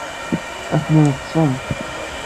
Atnan ṭṭsen.